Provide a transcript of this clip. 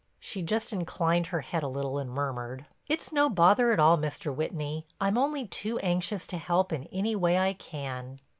She just inclined her head a little and murmured: "It's no bother at all, Mr. Whitney. I'm only too anxious to help in any way I can."